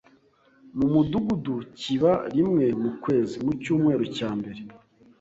Mu Mudugudu kiba rimwe mu kwezi, mu cyumweru cyambere